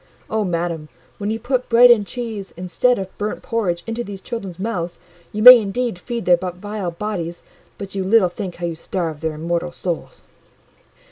Oh, madam, when you put bread and cheese, instead of burnt porridge, into these children's mouths, you may indeed feed their vile bodies, but you little think how you starve their immortal souls!"